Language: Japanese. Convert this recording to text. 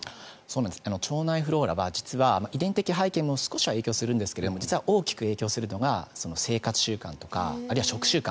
腸内フローラは実は遺伝的背景も少しは影響するんですが実は大きく影響するのが生活習慣とかあるいは食習慣